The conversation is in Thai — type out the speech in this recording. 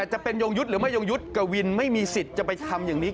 หลุดผู้บริสุทธิ์